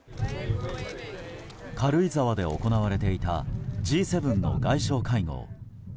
軽井沢で行われていたＧ７の外相会合。